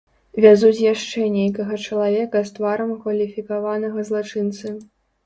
Вязуць яшчэ нейкага чалавека з тварам кваліфікаванага злачынцы.